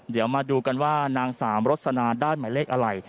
เดี๋ยวมาดูกันว่านางสาวรสนาได้หมายเลขอะไร